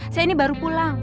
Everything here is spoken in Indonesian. saya ini baru pulang